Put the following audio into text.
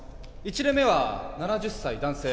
１例目は７０歳男性